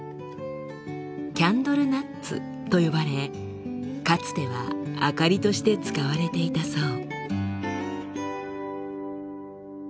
「キャンドルナッツ」と呼ばれかつては明かりとして使われていたそう。